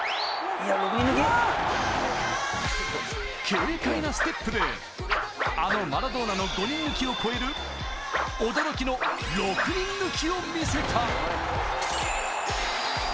軽快なステップでマラドーナの５人抜きを超える驚きの６人抜きを見せた！